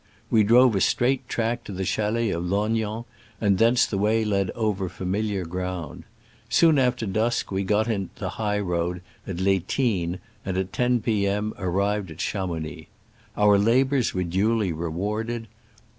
We drove a straight track to the chalets of Lognan, and thence the way led over familiar ground. Soon after dusk we got into the high road at Les Tines, and at 10 p. m. arrived at Chamounix. Our labors were duly re warded.